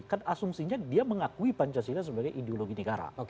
kan asumsinya dia mengakui pancasila sebagai ideologi negara